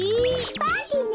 パーティーね！